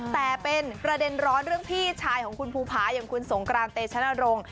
แต่เป็นประเด็นร้อนเรื่องพี่ชายของคุณภูภาอย่างคุณสงกรานเตชนรงค์